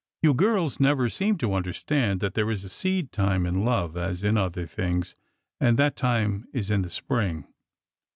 You girls never seem to understand that there is a seed time in love as in other things, — and that time is in the spring